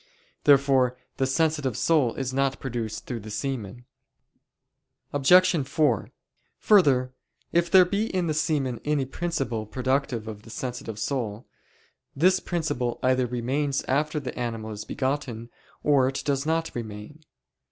Therefore the sensitive soul is not produced through the semen. Obj. 4: Further, if there be in the semen any principle productive of the sensitive soul, this principle either remains after the animal is begotten, or it does not remain.